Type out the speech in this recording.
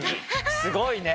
すごいね！